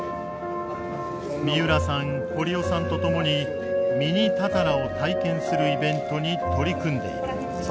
三浦さん堀尾さんと共にミニたたらを体験するイベントに取り組んでいる。